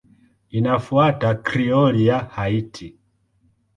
Inafuata Krioli ya Haiti.